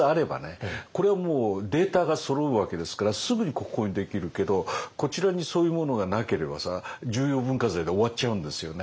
これはもうデータがそろうわけですからすぐに国宝にできるけどこちらにそういうものがなければさ重要文化財で終わっちゃうんですよね。